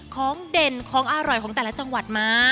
เด่นของอร่อยของแต่ละจังหวัดมา